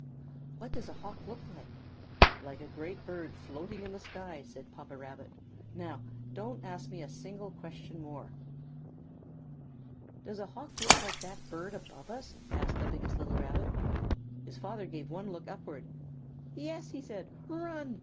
"What does a Hawk look like?" "Like a great bird floating in the sky," said Papa Rabbit. "Now, don't ask me a single question more." "Does a Hawk look like that bird above us?" asked the biggest little Rabbit. His father gave one look upward. "Yes!" he said. "Run!"